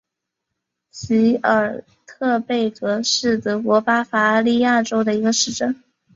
席尔特贝格是德国巴伐利亚州的一个市镇。